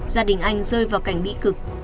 gia đình anh rơi vào cảnh bí cực